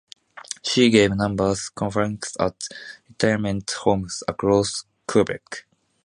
She gave numerous conferences at retirement homes across Quebec.